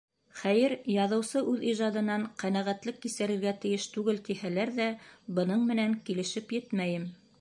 Хәйер, яҙыусы үҙ ижадынан ҡәнәғәтлек кисерергә тейеш түгел тиһәләр ҙә, бының менән килешеп етмәйем.